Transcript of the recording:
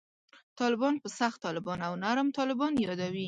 طالبان په «سخت طالبان» او «نرم طالبان» یادوي.